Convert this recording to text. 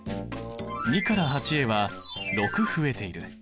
２から８へは６増えている。